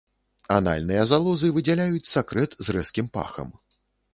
Анальныя залозы выдзяляюць сакрэт з рэзкім пахам.